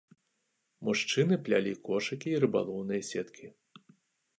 Мужчыны плялі кошыкі і рыбалоўныя сеткі.